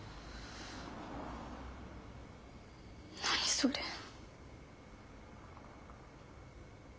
何それ。